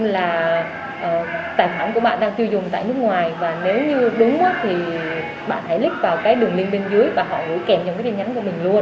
nên là tài khoản của bạn đang tiêu dùng tại nước ngoài và nếu như đúng thì bạn hãy click vào cái đường link bên dưới và họ gửi kèm cho cái tin nhắn của mình luôn